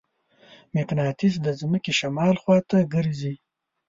مقناطیس د ځمکې شمال خواته ګرځي.